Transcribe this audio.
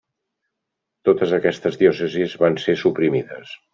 Totes aquestes diòcesis van ser suprimides.